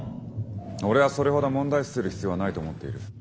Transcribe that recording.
俺はそれほど問題視する必要はないと思っている。